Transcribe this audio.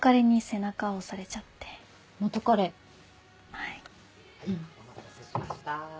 はいお待たせしました。